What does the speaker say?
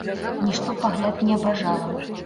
Нішто пагляд не абражала.